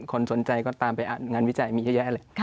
คนสนใจก็ตามไปงานวิจัยมีเยอะแยะแหละ